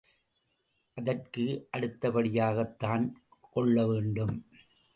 அதற்கு அடுத்தபடியாகத்தான் கொள்ள வேண்டும்.